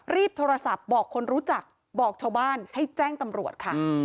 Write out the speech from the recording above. รีบโทรศัพท์บอกคนรู้จักบอกชาวบ้านให้แจ้งตำรวจค่ะ